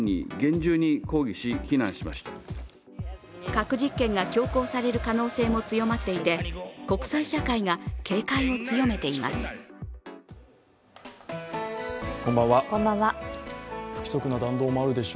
核実験が強行される可能性も強まっていて、国際社会が警戒を強めています。